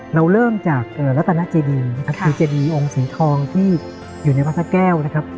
เราเริ่มจากรัตนาเจดีนะครับคือเจดีองค์สีทองที่อยู่ในวัดพระแก้วนะครับ